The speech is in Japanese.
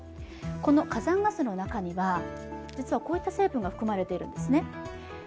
この火山ガスの中にはこういった成分が含まれているんですね。